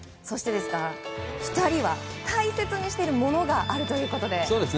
２人は大切にしているものがあるということで。